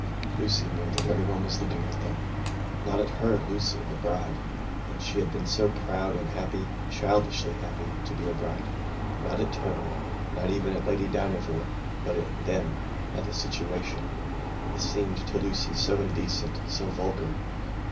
Lucy knew that every one was looking at them, not at her, Lucy, the bride (and she had been so proud and happy childishly happy to be a bride), not at Tony, not even at Lady Dynevor, but at them, at the situation. It seemed to Lucy so indecent, so vulgar.